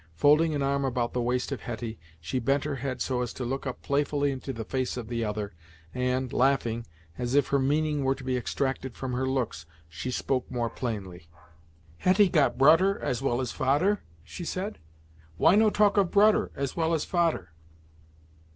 Folding an arm about the waist of Hetty, she bent her head so as to look up playfully into the face of the other, and, laughing, as if her meaning were to be extracted from her looks, she spoke more plainly. "Hetty got broder, as well as fader? " she said "Why no talk of broder, as well as fader?"